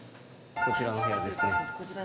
こちらのお部屋ですね。